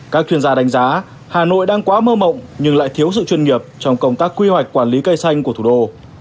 các chuyên gia đánh giá hà nội đang quá mơ mộng nhưng lại thiếu sự chuyên nghiệp trong công tác quy hoạch quản lý cây xanh của thủ đô